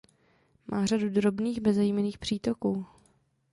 Má řadu drobných bezejmenných přítoků.